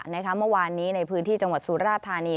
เมื่อวานนี้ในพื้นที่จังหวัดสุราธานี